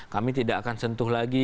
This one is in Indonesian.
kami tidak akan sentuh lagi